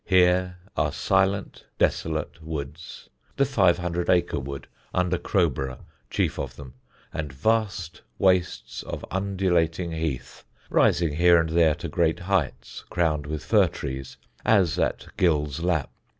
Here are silent desolate woods the Five Hundred Acre Wood, under Crowborough, chief of them and vast wastes of undulating heath, rising here and there to great heights crowned with fir trees, as at Gill's Lap.